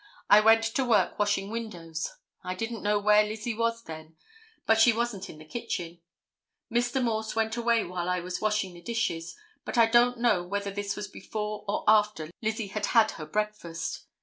I went to work washing windows, I didn't know where Lizzie was then, but she wasn't in the kitchen. Mr. Morse went away while I was washing the dishes, but I don't know whether this was before or after Lizzie had had her breakfast.